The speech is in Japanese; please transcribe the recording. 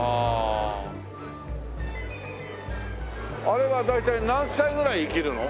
あれは大体何歳ぐらい生きるの？